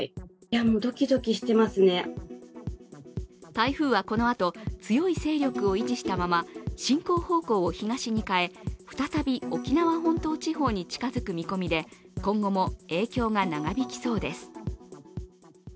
台風はこのあと強い勢力を維持したまま進行方向を東に変え、再び沖縄本島地方に近づく見込みで今後も影響が長引きそうです。